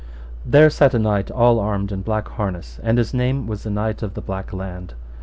There sat a knight all armed in black harness, and his name was the Knight of the Black Laund.